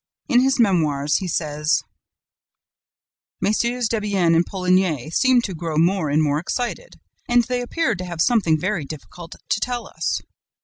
In his Memoirs, he says: "Mm. Debienne and Poligny seemed to grow more and more excited, and they appeared to have something very difficult to tell us.